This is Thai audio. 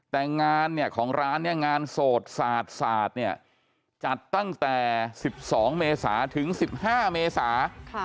แต่งานของร้านงานโสดสาดจัดตั้งแต่๑๒เมษาถึง๑๕เมษา